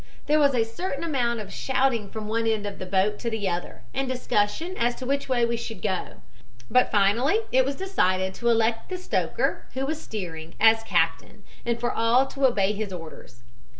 There was a certain amount of shouting from one end of the boat to the other, and discussion as to which way we should go, but finally it was decided to elect the stoker, who was steering, as captain, and for all to obey his orders.